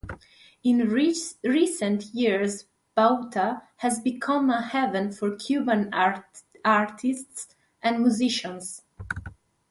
In recent years Bauta has become a haven for Cuban artists and musicians.